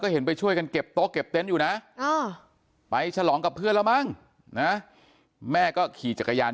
เห็นไปช่วยกันเก็บโต๊ะเก็บเต็นต์อยู่นะไปฉลองกับเพื่อนแล้วมั้งนะแม่ก็ขี่จักรยาน